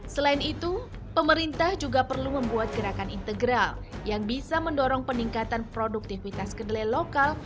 selain itu pemerintah juga perlu membuat gerakan integral yang bisa mendorong peningkatan produktivitas kedelai lokal